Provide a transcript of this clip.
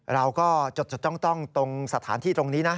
เราก็จดจ้องตรงสถานที่ตรงนี้นะ